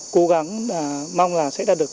cố gắng và mong là sẽ đạt được